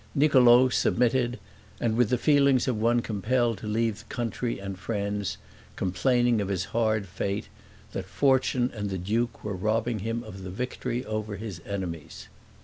Niccolo submitted, with the feelings of one compelled to leave country and friends, complaining of his hard fate, that fortune and the duke were robbing him of the victory over his enemies.